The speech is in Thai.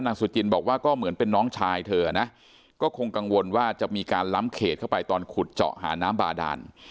สุจินบอกว่าก็เหมือนเป็นน้องชายเธอนะก็คงกังวลว่าจะมีการล้ำเขตเข้าไปตอนขุดเจาะหาน้ำบาดาน